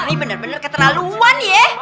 ini bener bener keterlaluan ye